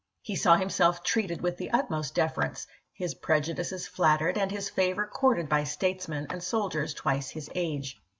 He saw himself treated with the utmost deference, his prejudices flattered, and his favor courted by statesmen and soldiers twice his age.